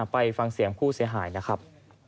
ไปฟังเสียงผู้เสียหายนะครับ